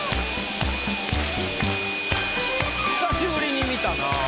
久しぶりに見たなぁ。